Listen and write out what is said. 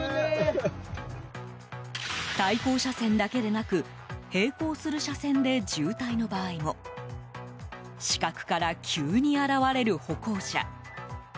対向車線だけでなく並行する車線で渋滞の場合も死角から急に現れる歩行者。